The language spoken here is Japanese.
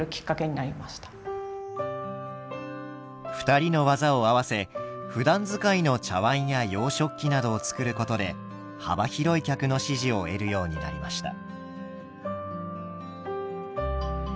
２人の技を合わせふだん使いの茶わんや洋食器などを作ることで幅広い客の支持を得るようになりました。